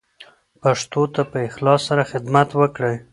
پښتو ته په اخلاص سره خدمت وکړئ.